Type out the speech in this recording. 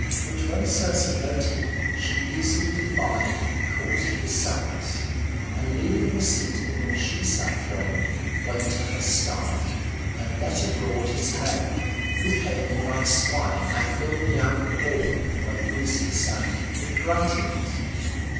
Which when Circe noted, she easily divined the cause of his sadness, and leaving the seat in which she sat throned, went to her sty, and let abroad his men, who came in like swine, and filled the ample hall, where Ulysses sat, with gruntings.